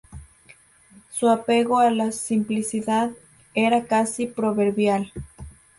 Su apego a la simplicidad era casi proverbial.